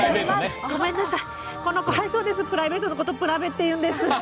この子、プライベートのことプラベって言うんです。